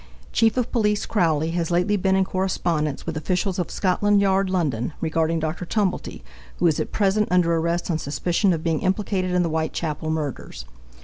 Chief of Police Crowly has lately been in correspondence with officials of Scotland Yard, London, regarding Dr. Tumblety, who is at present under arrest on suspicion of being implicated in the Whitechapel murders.